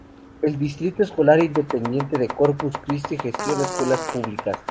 El Distrito Escolar Independiente de Corpus Christi gestiona escuelas públicas.